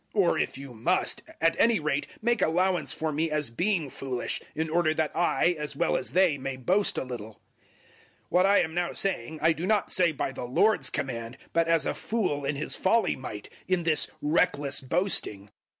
Or if you must, at any rate make allowance for me as being foolish, in order that I, as well as they, may boast a little. 011:017 What I am now saying, I do not say by the Lord's command, but as a fool in his folly might, in this reckless boasting.